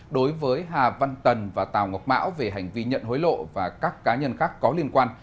đối với hà văn tần và tàu ngọc mão về hành vi nhận hối lộ và các cá nhân khác có liên quan